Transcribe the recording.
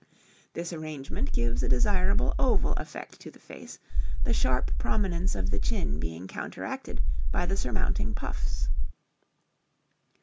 This arrangement gives a desirable oval effect to the face, the sharp prominence of the chin being counteracted by the surmounting puffs.